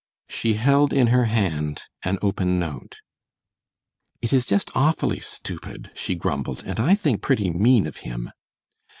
She held in her hand an open note. "It is just awfully stupid," she grumbled, "and I think pretty mean of him!"